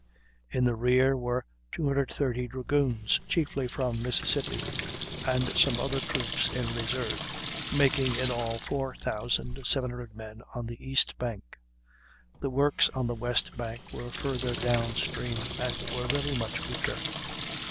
In the rear were 230 dragoons, chiefly from Mississippi, and some other troops in reserve; making in all 4,700 men on the east bank. The works on the west bank were farther down stream, and were very much weaker.